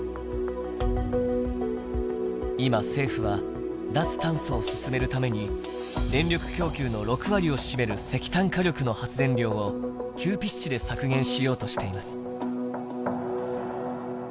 今政府は脱炭素を進めるために電力供給の６割を占める石炭火力の発電量を急ピッチで削減しようとしています。